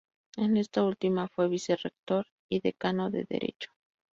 En esta última fue vicerrector y decano de Derecho.